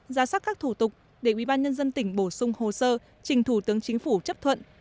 giá sát các thủ tục để ủy ban nhân dân tỉnh bổ sung hồ sơ trình thủ tướng chính phủ chấp thuận